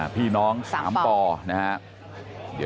พี่น้อง๓ปอนะเทะ